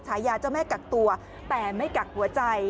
ฉายาเจ้าแม่กักตัวแต่ไม่กักหัวใจ